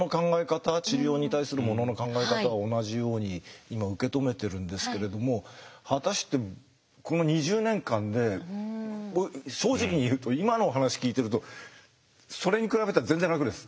治療に対するものの考え方は同じように今受け止めてるんですけれども果たしてこの２０年間で正直に言うと今のお話聞いてるとそれに比べたら全然楽です。